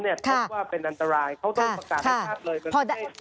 เพราะว่าเป็นอันตรายเขาต้องประกาศใหญ่เลย